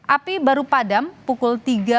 api baru padam pukul tiga belas